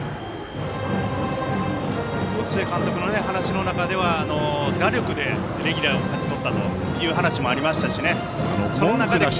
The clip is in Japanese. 須江監督の話の中では打力でレギュラーを勝ち取ったという話もありましたね。